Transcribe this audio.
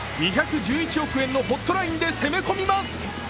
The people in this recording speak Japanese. ２１１億円のホットラインで攻め込みます。